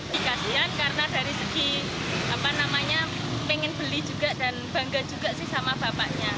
dikasihan karena dari segi apa namanya pengen beli juga dan bangga juga sih sama bapaknya